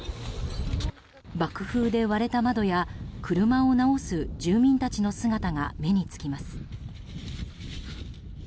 爆風で割れた窓や、車を直す住民たちの姿が目につきます。